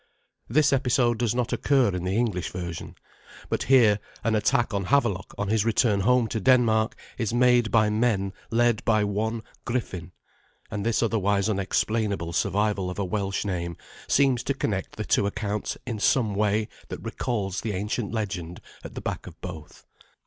This episode does not occur in the English version; but here an attack on Havelok on his return home to Denmark is made by men led by one Griffin, and this otherwise unexplainable survival of a Welsh name seems to connect the two accounts in some way that recalls the ancient legend at the back of both.